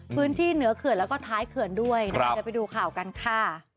พื้นที่เหนือเขื่อนแล้วก็ท้ายเขื่อนด้วยนะคะเดี๋ยวไปดูข่าวกันค่ะ